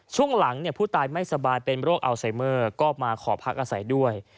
ช่วงหลังผู้ตายไม่สบายเป็นโรคอัลไซเมอร์ก็มาขอพักอาศัยด้วย